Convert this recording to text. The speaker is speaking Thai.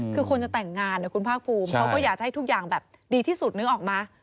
คือคนจะแต่งงานคุณภาคภูมิเขาก็อยากจะให้ทุกอย่างแบบดีที่สุดนึกออกมา